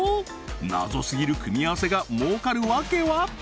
謎すぎる組み合わせが儲かるワケは？